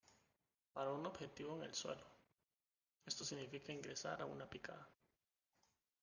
Para un objetivo en el suelo, esto significa ingresar a una picada.